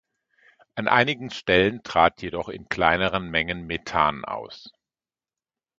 An einigen Stellen trat jedoch in kleineren Mengen Methan aus.